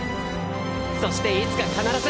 そしていつか必ず。